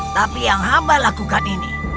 tapi yang hamba lakukan ini